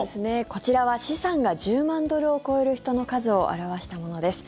こちらは、資産が１０万ドルを超える人の数を表したものです。